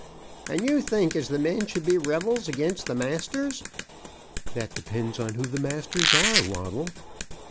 "And you think as the men should be rebels again' the masters?" "That depends on who the masters are, Waddle."